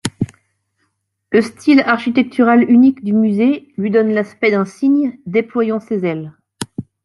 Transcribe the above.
Le style architectural unique du musée lui donne l'aspect d'un cygne déployant ses ailes.